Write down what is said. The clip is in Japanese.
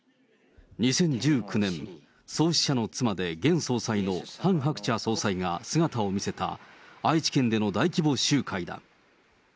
２０１９年、創始者の妻で現総裁のハン・ハクチャ総裁が姿を見せた、愛知県での大規模集会だ。